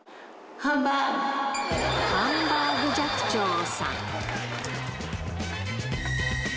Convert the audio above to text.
ハンバーグ寂聴さん。